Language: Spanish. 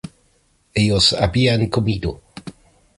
Ellos habían comido